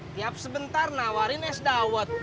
tiap sebentar nawarin es dawet